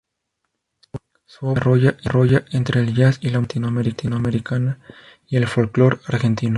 Su obra se desarrolla entre el jazz, la música latinoamericana y el folclore argentino.